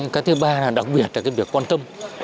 cái thứ ba là đặc biệt là cái việc quan tâm